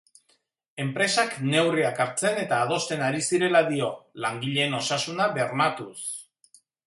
Enpresak neurriak hartzen eta adosten ari zirela dio, langileen osasuna bermatuz.